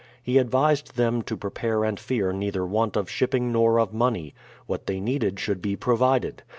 He advised them to prepare and fear neither want of shipping nor of money ; what they needed should be provided.